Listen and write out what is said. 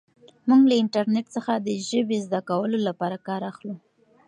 موږ له انټرنیټ څخه د ژبې زده کولو لپاره کار اخلو.